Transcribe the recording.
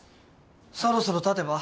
そろそろ立てば？